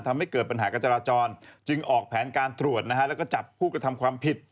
ที่เกิดปัญหากัจจราจรจึงออกแผนการตรวจและจับผู้กระทำความผิด